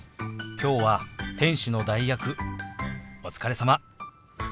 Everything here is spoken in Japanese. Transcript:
今日は店主の代役お疲れさま！